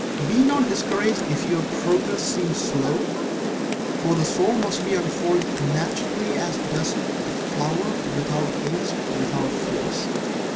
Be not discouraged if your progress seem slow, for the soul must unfold naturally as does the flower, without haste, without force.